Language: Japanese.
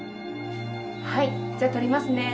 はい、じゃあ撮りますね。